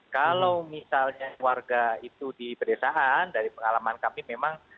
kalau misalnya warga itu di pedesaan dari pengalaman kami memang